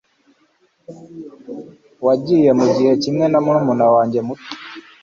Wagiye mugihe kimwe na murumuna wanjye muto?